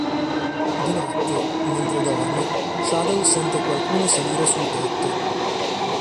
Di notte, mentre dorme, Shadow sente qualcuno salire sul tetto.